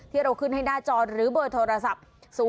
ที่เราขึ้นให้หน้าจอหรือเบอร์โทรศัพท์